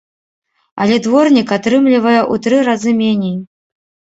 Але дворнік атрымлівае ў тры разы меней.